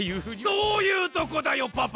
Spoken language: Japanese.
そういうとこだよパパ！